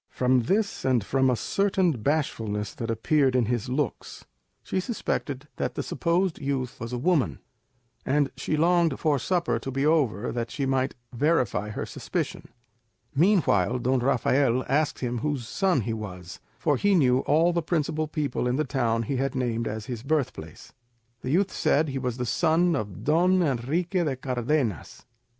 From this and from a certain bashfulness that appeared in his looks, she suspected that the supposed youth was a woman, and she longed for supper to be over that she might verify her suspicion. Meanwhile Don Rafael asked him whose son he was, for he knew all the principal people in the town he had named as his birth place. The youth said he was the son of Don Enrique de Cardenas.